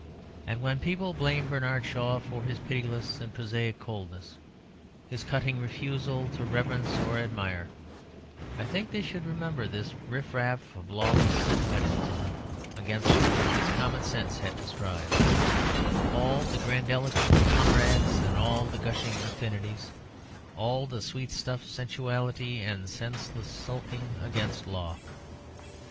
And when people blame Bernard Shaw for his pitiless and prosaic coldness, his cutting refusal to reverence or admire, I think they should remember this riff raff of lawless sentimentalism against which his commonsense had to strive, all the grandiloquent "comrades" and all the gushing "affinities," all the sweetstuff sensuality and senseless sulking against law.